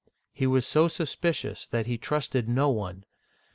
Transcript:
He was so suspicious that he trusted no one.